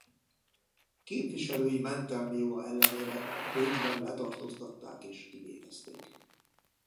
Képviselői mentelmi joga ellenére Bécsben letartóztatták és kivégezték.